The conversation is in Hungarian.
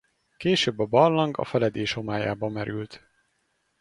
Később a barlang a feledés homályába merült.